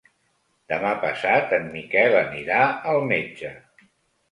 Demà passat en Miquel anirà al metge.